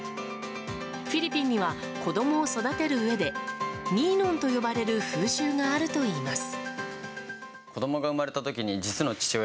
フィリピンには子供を育てるうえでニーノンと呼ばれる風習があるといいます。